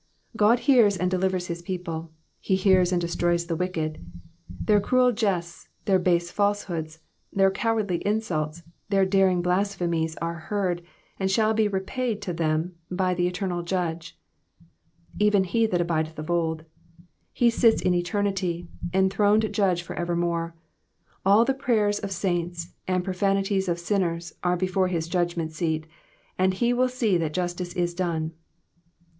God hears and delivers his people, he hears and destroys the wicked. Their cruel jests, their base falsenoods, their cowardly insults, their daring blasphemies are heard, and shall be repaid to them by the eternal Judge. ''''Even he that abideth of old,'''* He sits in eternity, enthroned judge for evermore ; all the prayers of saints and profanities Digitized by VjOOQIC 23 EXPOSITIONS OF THE PSALMS. of sinners are before his judgment seat, and he will see that justice is done.